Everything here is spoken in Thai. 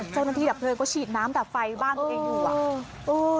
เจ้าหน้าที่ดับเพลิงก็ฉีดน้ำดับไฟบ้านตัวเองอยู่อ่ะเออเออ